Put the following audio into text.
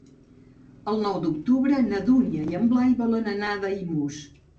El nou d'octubre na Dúnia i en Blai volen anar a Daimús.